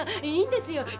いいんですよ。